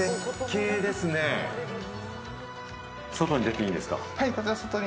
外に出ていいんですか？